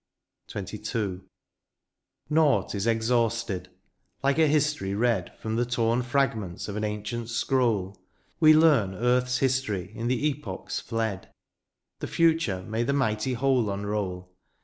142 THE FUTURE. XXIL Naught is exhausted — ^like a history read From the torn fragments of an ancient scroll^ We learn earth's history in the epochs fled ; The future may the mighty whole unroll.